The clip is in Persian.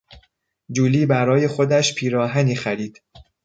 جولی برای خودش پیراهنی خرید.